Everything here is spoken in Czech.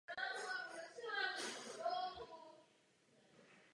Narodil se a vyrůstal v Pittsburghu v Pensylvánii.